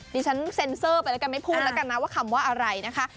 ดิฉันเซ็นเซอร์ไปแล้วกันไม่พูดแล้วกันนะว่าคำว่าอะไรนะคะ